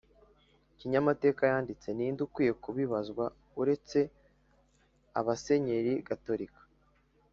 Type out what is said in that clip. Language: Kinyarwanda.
kinyamatekayanditse, ninde ukwiye kubibazwa uretse abasenyeri gatolika